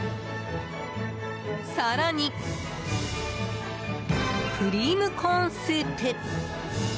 更に、クリームコーンスープ。